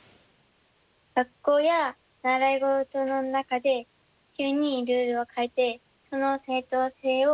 学校や習い事の中で急にルールを変えてその正当性を主張する人がいます。